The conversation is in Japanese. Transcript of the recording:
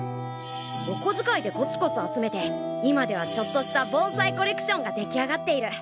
お小づかいでコツコツ集めて今ではちょっとした盆栽コレクションが出来上がっている。